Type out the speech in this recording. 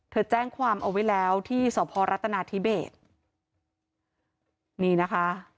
แจ้งความเอาไว้แล้วที่สพรัฐนาธิเบสนี่นะคะ